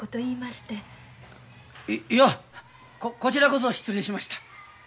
いいやここちらこそ失礼しました。